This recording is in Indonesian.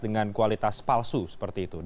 dengan kualitas palsu seperti itu